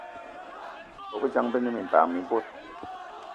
Bôbejang be ne minpan mi bot